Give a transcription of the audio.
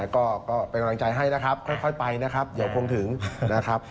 ก็เป็นกำลังใจให้นะครับค่อยไปนะครับเดี๋ยวคงถึงนะครับ